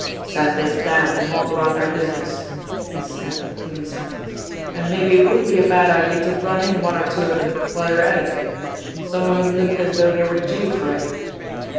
"Send this damned mob about their business !" he snapped at the policeman. "And maybe it wouldn't be a bad idea to run in one or two of them while you're at it. Some of 'em look as though they were due for it!"